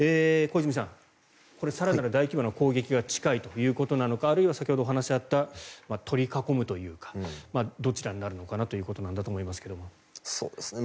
小泉さん、更なる大規模な攻撃が近いということなのかあるいは先ほどお話があった取り囲むというかどちらになるのかなということだと思いますが。